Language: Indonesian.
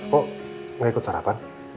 kok gak ikut sarapan